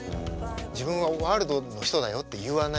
自分はワールドの人だよって言わない。